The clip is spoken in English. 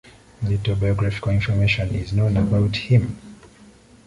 Little biographical information is known about him.